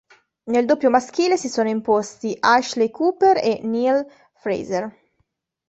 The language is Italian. Nel doppio maschile si sono imposti Ashley Cooper e Neale Fraser.